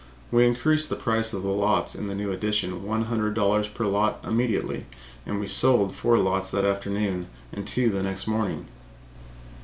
We increased the price of the lots in the new addition one hundred dollars per lot immediately, and we sold four lots that afternoon and two the next morning.